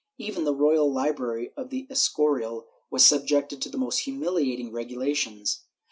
^ Even the royal library of the Escorial was subjected to the most humili ating regulations.